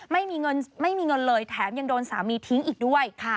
ไม่มีเงินไม่มีเงินเลยแถมยังโดนสามีทิ้งอีกด้วย